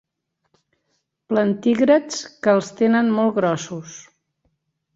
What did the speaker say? Plantígrads que els tenen molt grossos.